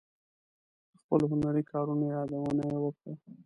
د خپلو هنري کارونو یادونه یې وکړه.